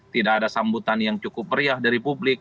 tidak ada sambutan yang cukup meriah dari publik